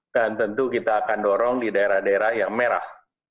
dan tentu kita akan dorong di daerah daerah yang merah